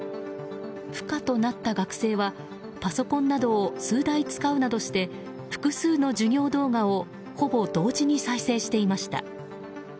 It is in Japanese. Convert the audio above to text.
不可となった学生はパソコンなどを数台使うなどして複数の授業動画をほぼ同時に再生していました。